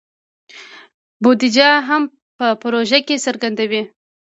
بودیجه هم په پروژه کې څرګنده وي.